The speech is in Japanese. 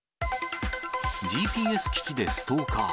ＧＰＳ機器でストーカー。